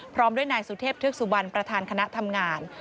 พร้อมด้วยนายสุเทพธึกสุบันประธานคณะทำงาน